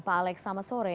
pak alex selamat sore